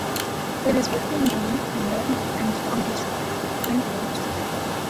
It is within Newry, Mourne and Down District.